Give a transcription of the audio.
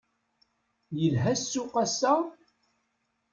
Yelha ssuq ass-a?